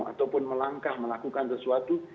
ataupun melangkah melakukan sesuatu